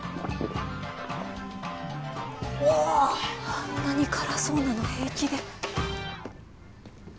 あんなに辛そうなの平気で。